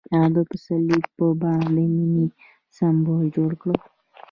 هغه د پسرلی په بڼه د مینې سمبول جوړ کړ.